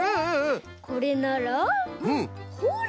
これならほら！